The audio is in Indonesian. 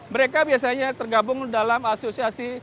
mereka biasanya tergabung dalam asosiasi tunai laung manis